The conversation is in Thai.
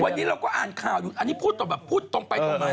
วันนี้เราก็อ่านข่าวอยู่อันนี้พูดแบบพูดตรงไปตรงมา